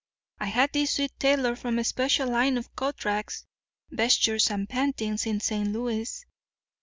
'I had this suit tailored from a special line of coatericks, vestures, and pantings in St. Louis.